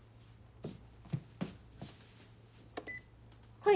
はい。